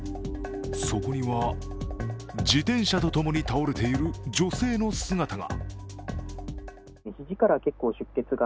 そこには、自転車とともに倒れている女性の姿が。